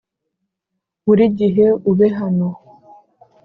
burigihe ube hano.